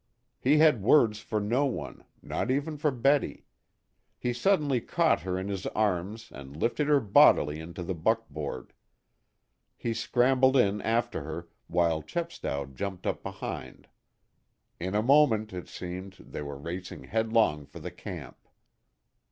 He had words for no one not even for Betty. He suddenly caught her in his arms and lifted her bodily into the buckboard. He scrambled in after her, while Chepstow jumped up behind. In a moment, it seemed, they were racing headlong for the camp.